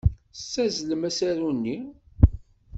Tessazzlemt asaru-nni.